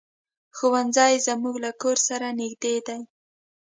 ښوونځی زمونږ له کور سره نږدې دی.